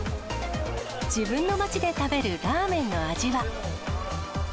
自分の町で食べるラーメンの味は。